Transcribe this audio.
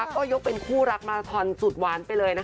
ก็ยกเป็นคู่รักมาราทอนสุดหวานไปเลย